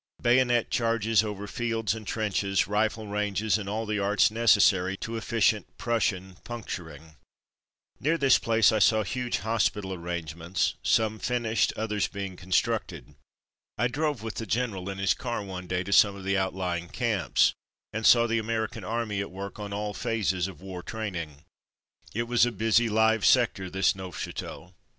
Bayonet charges over fields and trenches, rifle ranges, and all the arts necessary to efficient Prus sian puncturing. Near this place I saw huge hospital ar 266 From Mud to Mufti rangements, some finished, others being constructed. I drove with the general in his car one day to some of the outlying camps, and saw the American Army at work on all phases of war training. It was a busy live sector this Neufchateau.